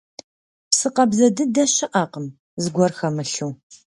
Псы къабзэ дыдэ щыӀэкъым, зыгуэр хэмылъу.